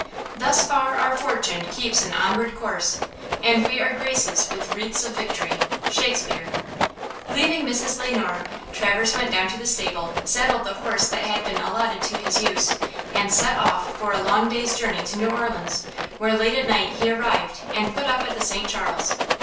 Thus far our fortune keeps an onward course, And we are graces with wreaths of victory. –SHAKESPEARE. LEAVING Mrs. Le Noir, Traverse went down to the stable, saddled the horse that had been allotted to his use, and set off for a long day's journey to New Orleans, where late at night he arrived, and put up at the St. Charles.